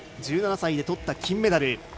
１７歳でとった金メダル。